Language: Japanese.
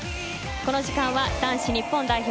この時間は男子日本代表